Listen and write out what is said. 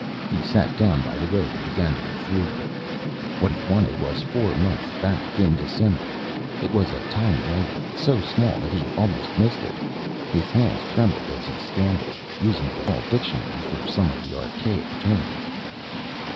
He sat down by the road and began to go through them. What he wanted was four months back, in December. It was a tiny item, so small that he almost missed it. His hands trembled as he scanned it, using the small dictionary for some of the archaic terms.